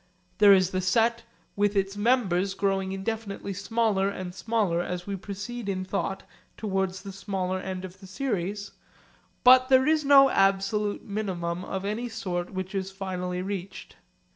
There is the set with its members growing indefinitely smaller and smaller as we proceed in thought towards the smaller end of the series; but there is no absolute minimum of any sort which is finally reached.